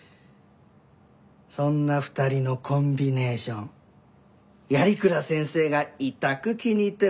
そんな２人のコンビネーション鑓鞍先生がいたく気に入ってらっしゃるようでね。